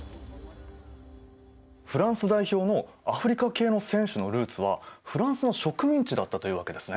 フランス代表のアフリカ系の選手のルーツはフランスの植民地だったというわけですね。